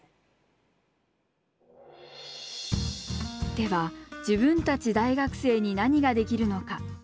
では、自分たち大学生に何ができるのか。